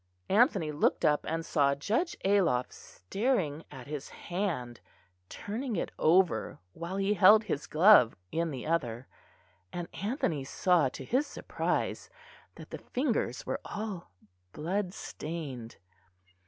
Anthony looked up and saw Judge Ayloff staring at his hand, turning it over while he held his glove in the other; and Anthony saw to his surprise that the fingers were all blood stained.